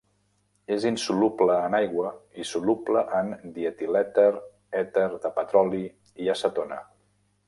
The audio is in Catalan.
És insoluble en aigua i soluble en dietilèter, èter de petroli i acetona.